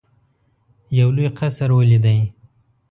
یو لوی قصر ولیدی.